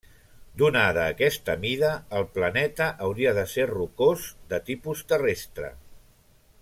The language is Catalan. Donada aquesta mida, el planeta hauria de ser rocós, de tipus terrestre.